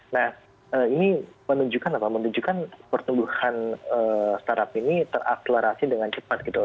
nah ini menunjukkan apa menunjukkan pertumbuhan startup ini teraklerasi dengan cepat gitu